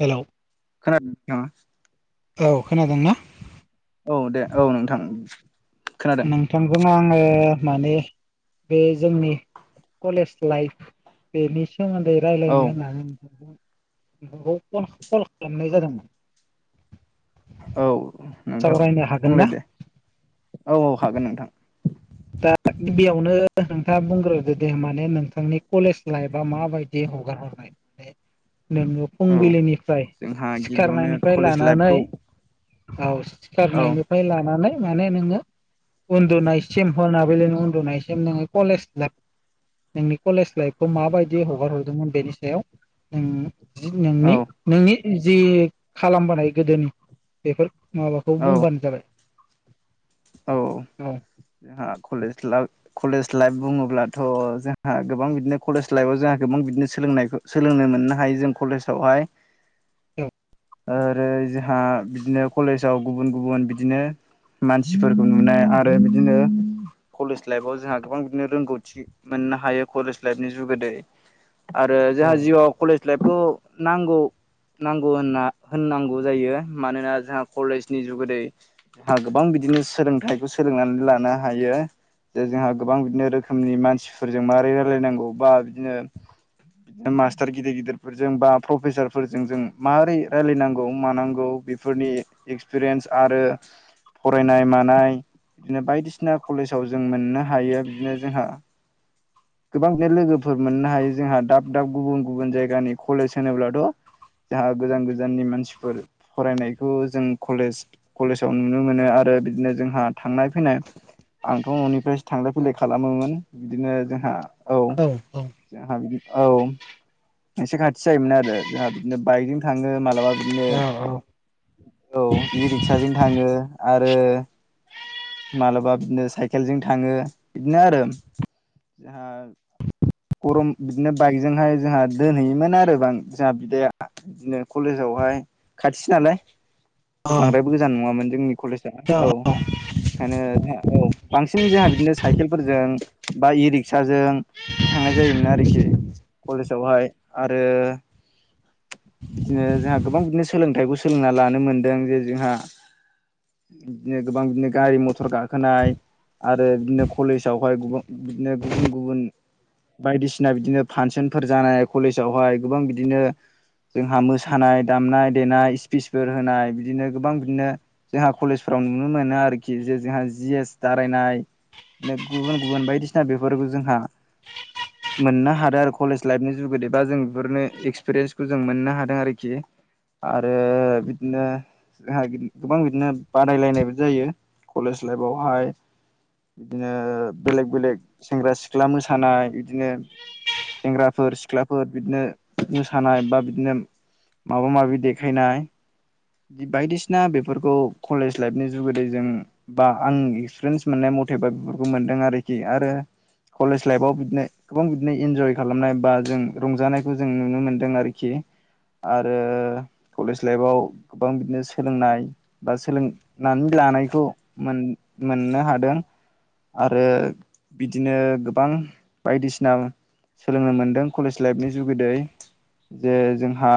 हेल' । खोनादों नोंथाङा? औ खोनादोंना? औ दे औ नोंथां । नोंथांखौ मा आंङो माने बे जोंनि कलेज लाइफ बेनि सोमोन्दै औ रायलायनो होननानै नोंथांखौ नोंथांखौ फन कल खालामनाय जादोंमोन । औ नोंथां ना बुंलाय दे औ औ हागोन नोंथां । दा गिबियावनो नोंथाङा बुंग्रोदो दे माने नोंथांनि कलेज लाइफआ माबायदि हगार हरनाय माने नोङो औ फुंबिलिनिफ्राय जोंहा गिबियावनो सिखारनायनिफ्राय कलेज लानानै लाइफखौ [unintelligible] औ सिखारनायनिफ्राय लानानै माने नोङो उन्दुनायसिम मोनाबिलि उन्दुनायसिम नोङो कलेज लाइफ नोंनि कलेज लाइफखौ माबायदि हगार हरदोंमोन बेनि सायाव नों औ नोंनि नोंनि जि खालामबोनाय गोदोनि बेफोर माबाखौ औ बुंबानो जाबाय। औ औ जोंहा कलेज ला कलेज लाइफ बुङो बुङो अब्लाथ' जोंहा गोबां बिदिनो कलेज लाइफआव जोंहा गोबां बिदिनो सोलोंनायखौ सोलोंनो मोननो हायो जों कलेज बेवहाय। औ ओरै जोंहा बिदिनो कलेजाव गुबुन गुबुन बिदिनो मानसि मानसिफोरखौ नुनाय आरो बिदिनो कलेज लाइफाव जोंहा गोबां बिदिनो रोंगौथि मोननो हायो कलेज लाइफनि जुगोदै आरो औ जोंहा औ जिउआव कलेज लाइफ खौ नांगौ। नांगौ होनना होननांगौ जायो मानोना जोंहा कलेजनि जुगैदै जोंहा गोबां बिदि बिदिनो सोलोंथाइखौ सोलोंनानै लानो हायो। जे जोंहा गोबां बिदिनो रोखोमनि मानसिफोरजों मारै रायलायनांगौ बा बिदिनो बिदिनो मास्टार गिदिर गिदिरफोरजों बा प्रफेसारफोरजों जों मारै रायलायनांगौ मानांगौ बेफोरनि एक्सपिरियेन्स आरो फरायनाय मानाय बिदिनो बायदिसिना कलेजाव जों मोननो हायो बिदिनो जोंहा गोबां बे लोगोफोर मोननो हायो जोंहा दाब दाब गुबुन गुबुन जायगानि कलेज होनोब्लाथ' जोंहा गोजान गोजाननि मानसिफोर फरायनायखौ जों कलेज कलेजाव नुनो। नुनो मोनो आरो बिदिनो जोंहा थांनाय फैनाय आंथ' न'निफ्रायसो थांलाय फैलाय औ खालामोमोन। बिदिनो जोंहा औ जोंहा बिदि औ एसे खाथि जायोमोन आरो जोंहा बिदिनो बाइकजों थाङो मालाबा बिदिनो औ औ इ रिक्साजों थाङो आरो मालाबा बिदिनो साइकेलजों थाङो बिदिनो आरो जोंहा गरम बिदिनो बाइकजोंहाय जोंहा दोनहैयोमोन आरोबां जोंहा बिदाया बिदिनो कलेजाव। हाय खाथि नालाय औ बांद्रायबो गोजान नङामोन जोंनि कलेजआ औ। नो औ बांसिन जोंहा बिदिनो साइकेल फोरजों बा इ रिक्सा साजों बिदि थांनाय जायोमोन आरोखि कलेजावहाय आरो बिदिनो जोंहा गोबां बिदिनो सोलोंथाइखौ सोलोंना लानो मोनदों जे जोंहा बिदिनो गोबां बिदिनो गारि मथर गाखोनाय आरो बिदिनो कलेजआवहाय बिदिनो गुबुन गुबुन बायदिसिना बिदिनो फांसनफोर जानाय कलेजावहाय गोबां बिदिनो जोंहा मोसानाय दामनाय देनाय स्पिसफोर होनाय बिदिनो गोबां बिदिनो जोंहा कलेजफ्राव आव नुनो मोनो आरोखि जे जोंहा जि एस दारायनाय। बिदिनो गुबुन गुबुन बायदिसिना बेफोरखौ जोंहा मोननो हादों आरो कलेज लाइफनि जुगेदि बा जों बेफोरनो एक्सपिरियेन्सखौ जों मोननो हादों आरोखि। आरो बिदिनो जोंहा गोबां बिदिनो बादायलायनायबो जायो। कलेज लाइफावहाय। बिदिनो बेलेग बेलेग सेंग्रा सिख्ला मोसानाय बिदिनो सेंग्राफोर सिख्लाफोर बिदिनो मोसानाय बा बिदिनो माबा माबि देखायनाय। बायदिसिना बेफोरखौ कलेज लाइफनि जुगैदै जों बा आं एक्सपिरियेन्स मोननाय मथेबा बेफोरखौ मोनदों आरोखि आरो कलेज लाइफआव बिदिनो गोबां बिदिनो इन्जय खालामनाय बा जों रंजानायखौ जों नुनो मोनदों आरोखि। आरो कलेज लाइफआव गोबां बिदिनो सोलोंनाय बा सोलोंनानै दोन जानायखौ मोन मोननो हादों। आरो बिदिनो गोबां बायदिसिना सोलोंनो मोन्दों। कलेज लाइफनि जुगिदै। जे जोंहा,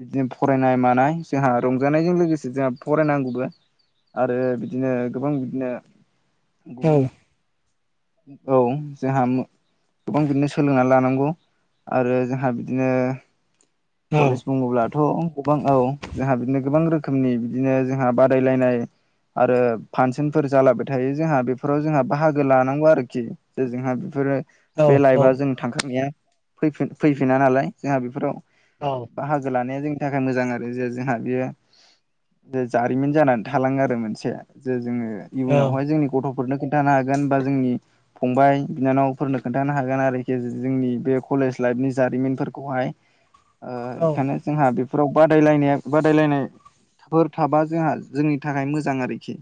बिदिनो फरायनाय-मानाय, जोंहा रंजानायजों लोगोसे जोंहा फरायनांगौबो। आरो बिदिनो गोबां बिदिनो, गुबुन- औ जोंहा मो- गोबां बिदिनो सोलोंनानै लानांगौ, आरो जोंहा बिदिनो, कलेज बुङो ब्लाथ' गोबां औ, जोंहा बिदिनो गोबां रोखोमनि बिदिनो जोंहा बादायलायनाय आरो फांसनफोर जालाबाय थायो जोंहा बेफोराव जोंहा बाहागो लानांगौ आरोखि, जे जोंहा बेफोरो, बे लाइफआ जों थांखांनाया फैफि-फैफिना नालाय जोंहा बेफोराव, बाहागो लानाया जों, बेनि थाखाय मोजां आरो जे जोंहा बेयो जे जारिमिन जानानै थालाङो आरो मोनसे जे, जोङो, इयुनावहाय जोंनि गथ', हरनो खोनथानो हागोन, बा जोंनि, फंबाय- बिनानफोरनो खोनथानो हागोन, आरोखि जोंनि बे, कलेज लाइफ जारिमिनफोरखौहाय ओ ओखायनो जों बेफ- फोराव बादायलायनाया- बादायलायनाय, फोर थाबा जोंहा जोंनि थाखाय मोजां आरोखि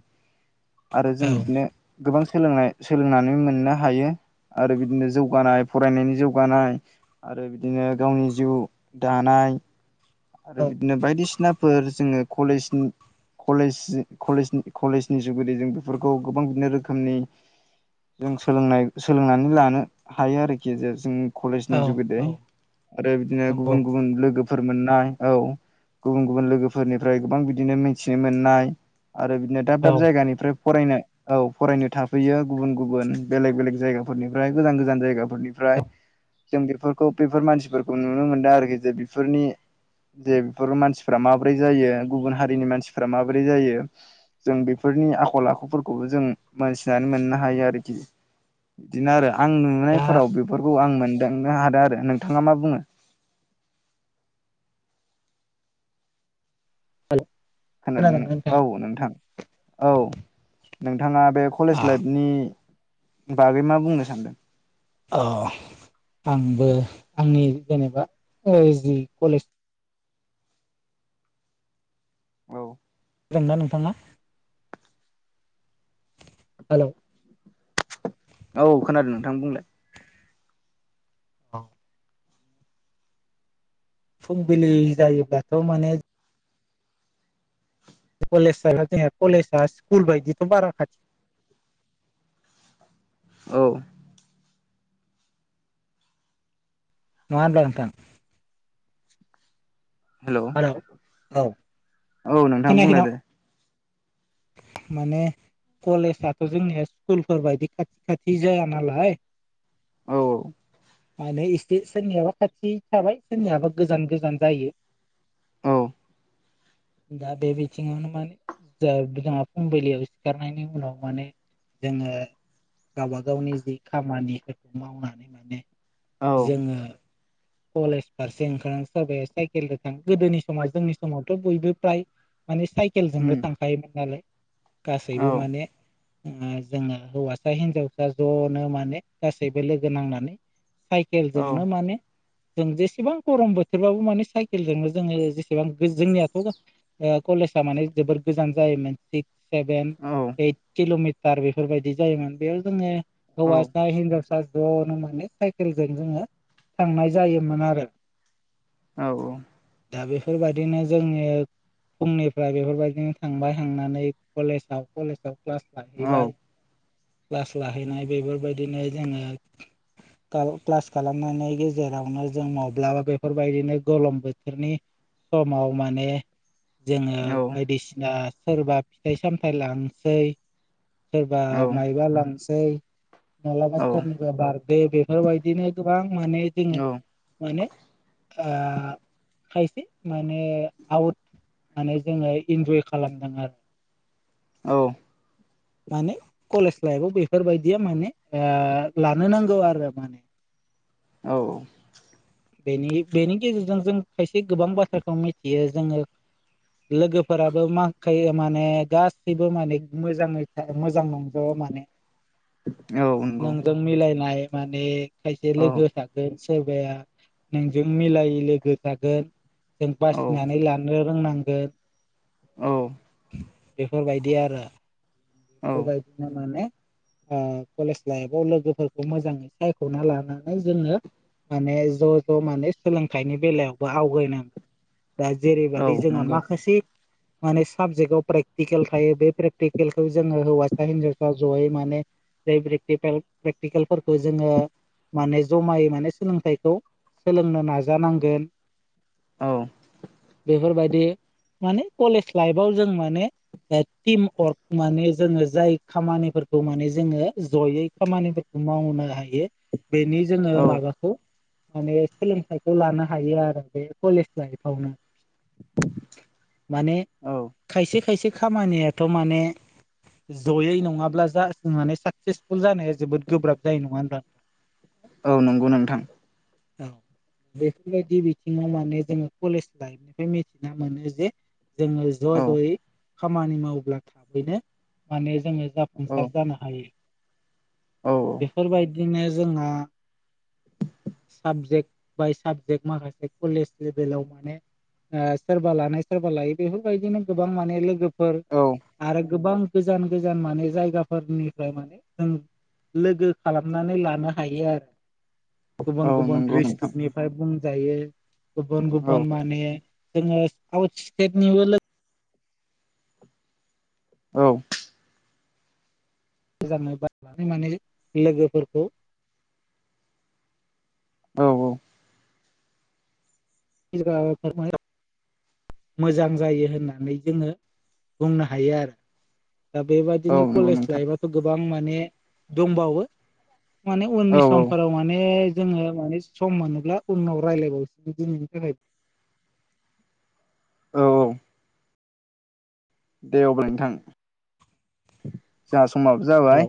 आरो जों औ बिदिनो गोबां, सोलोंनाय - सोलोंनानै मोननो हायो। आरो बिदिनो जौगानाय फरायनायनि जौगानाय आरो बिदिनो गावनि जिउ, दानाय आरो औ बिदिनो बायदिसिनाफोर जोङो कलेजनि, कलेजलेज कलेज कलेजनि जुगैदै जों बेफोरखौ गोबां बिदिनो रोखोमनि, जों सोलोंनाय-सोलोंनानै लानो हायो आरोखि जे जों, कलेजनि औ जुगिदै औ आरो बिदिनो नंगौ गुबुन-गुबुन लोगोफोर मोननाय, औ गुबुन-गुबुन लोगोफोरनिफ्राय गोबां बिदिनो मिथिनो मोननाय, आरो बिदिनो औ दाब-दाब जायगानिफ्राय, फरायनो औ फरायनो थाफैयो गुबुन-गुबुन, बेले- बेलेग जायगाफोरनिफ्राय गोजान-गोजान जायगा, निफ्राय जों बेफोरखौ बे मानसिफोरखौ नुनो मोनदों आरोखि जे बेफोरनि, जे बेफोर मानसिफोरा माबोरै जायो । गुबुन हारिनि मानसिफोरा माबोरै जायो। जों बेफोरनि आखल-आखु, न'फोरखौबो जों मोनथिनानै मोननो हायो आरोखि, बिदिनो आरो- आं दा नुनायफोराव बेफोरखौ आं मोन- मोनदांनोहादों आरो नोंथाङा मा बुङो? हाल' खोनादोंना नों, औ नोंथां, औ, नोंथाङा बे कलेज लाइफनि बागै, मा बुंनो सानदों? अह, आंबो, आंनि जेनेबा ओ जि कलेज, औ, -दोंना नोंथाङा? हेल' औ खोनादों नोंथां बुंलाय? औ, फुं बिलि जायोब्लाथ' माने, कलेज [unintelligible] कलेजआ स्कुल बायदिथ' बारा खाथि, औ, नङा होनब्ला नोंथां? हेल', औ औ नोंथां, खोनायाखै बुंलाय नामा? दे, माने, कलेजआथ' जोंनिया स्कुलफोर बायदि खाथि-खाथि जाया नालाय, औ, आरो एसे सोरनियाबा खाथि थाबाय सोरनियाबा गोजान गोजान जायो । औ दा बे बिथिंङावनो माने जा जोंहा फुंबिलियाव सिखारनायनि उनाव माने जोङो गावबा गावनि जि खामानिफोरखौ मावनानै माने औ जोङो कलेज फारसे ओंखार सोरबाया साइकेलजों थां गोदोनि समाव जोंनि समावथ' बयबो प्राय माने उम साइकेलजोंनो थांखायोमोन नालाय । औ गासैबो माने ओ जोङो हौवासा हिनजावसा ज'नो माने गासैबो लोगो नांनानै औ साइकेलजोंनो माने जों जेसेबां गरम बोथोरबाबो माने साइकेलजोंनो जोङो जेसेबां गो जोंनियाथ' ओ कले लेजा माने जोबोर गोजान जायोमोन सिक्स सेभेन औ ओइद किल' मि टार बेफोरबायदि जायोमोन बेयाव जोङो औ हौवासा हिनजावसा ज'नो माने साइकेलजों जोङो थांनाय जायोमोन आरो । औ औ दा बेफोरबायदिनो जोङो फुंनिफ्राय बेफोरबायदिनो थांबाय थांनानै कलेजाव कलेजाव क्लास औ लाहैबाय क्लास लाहैनाय बेफोरबायदिनो जोङो काल क्लास खालामनानै गे जेरावनो जों माब्लाबा बेफोरबायदिनो गोलोम बोथोरनि समाव माने जोङो औ बायदिसिना सोरबा फिथाइ सामथाइ लांनोसै सोरबा औ मायबा लांसै मालाबा औ सोरनिबा बार दे बेफोरबायदिनो गोबां माने जोङो औ माने ओ खायसे माने आउट माने जोङो इन्जय खालामदों आरो । औ माने कलेज लाइफआव बेफोरबायदिया माने ओ लानो नांगौ आरो माने । [inaudible] औ बेनि बेनि गेजेरजों जों खायसे गोबां बाथ्राखौ मिथियो जोङो लोगोफोराबो माखायो माने गासैबो माने मोजाङै मोजां नंजोबा माने औ । नंगौ नोंजों मिलायनाय माने खायसे औ लोगो था सोरबाया नोंजों मिलायै लोगो थागोन जों औ बासिनानै लानो रोंनांगोन । औ बेफोरबायदि आरो औ बेफोरबायदिनो माने ओ कलेज लाइफआव लोगोफोरखौ मोजाङै सायख'ना लानानै जोङो माने ज' ज' माने सोलोंथाइनि बेलायावबो आवगायनां दा औ जेरैबायदि जोङा नंगौ माखासे माने साबजेक्टआव प्रेकटिकेल थायो बे प्रेकटिकेलखौ जोङो हौवासा हिनजावसा जयै माने बेे प्रेक्टिकेल प्रेक्टिकेलफोरखौ जोङो माने जमायै माने सोलोंथाइखौ सोलोंनो नाजानांगोन । औ बेफोरबायदि माने कलेज लाइफआव जों माने टिम वर्क माने जोङो जाय खामानिफोरखौ माने जोङो जयै खामानि मावनो हायो बेनि जोङो औ मा माने सोलोंथाइखौ लानो हायो आरो बे कलेज लाइफआवनो । माने औ खायसे खायसे खामानियाथ' माने जयै नङाब्ला जा माने साकसेसफुल जानाया जोबोद गोब्राब जायो नङा होनबा? औ नंगौ नोंथां औ बेफोरबायदि बिथिङाव माने जोङो कलेज लाइफ निफ्राय मिथिना मोनो जे जोङो ज' औ ज'यै खामानि मावब्ला थाबैनो माने जोङो औ जाफुंसार जानो हायो औ बेफोरबायदिनो जोंहा साबजेक्ट बाय साबजेक्ट माखासे कलेज लेभेलाव माने ओ सोरबा लानाय सोरबा लायै बेफोरबायदिनो गोबां माने लोगोफोर औ आरो गोबां गोजान गोजान माने जायगाफोरनिफ्राय माने जों लोगो खालामनानै लानो हायो आरो औ गुबुन गुबुन नंगौ नोंथां ड्रिसटिकनिफ्राय बुंजायो गुबुन औ गुबुन माने जोङो आउट स्टेटनिबो लो औ [unintelligible] माने लोगोफोरखौ औ [unintelligible] मोजां जायो होननानै जोङो बुंनो हायो आरो दा औ बेबायदिनो नंगौ कलेज नोंथां लाइफआथ' गोबां माने दंबावो माने औ उननि समफोराव माने जोङो माने सम मोनोब्ला उनाव रायलायबावसै दिनैनि थाखाय औ औ दे अब्ला नोंथां जोंहा समाबो हेल' जाबाय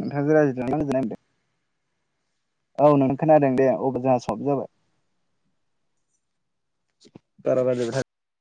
नोंथांजों रायज्लायनानै गोजोननाय मोनदों औ नोंथां खोनादों दे अब्ला जोंहा सब जाबाय [unintelligible]